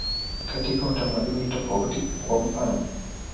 Katika utamaduni tofauti, kwa mfanof.